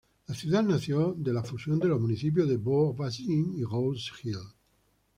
La ciudad nació de la fusión de los municipios de Beau-Bassin y Rose-Hill.